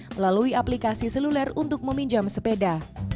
melalui aplikasi seluler untuk meminjam sepeda